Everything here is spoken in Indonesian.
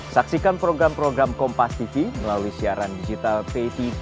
saksikan program program kompastv melalui siaran digital pt